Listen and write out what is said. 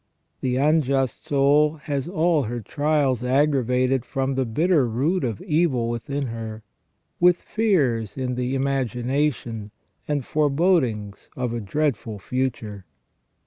The unjust soul has all her trials aggravated from the bitter root of evil within her, with fears in the imagination and forebodings of a dreadful future.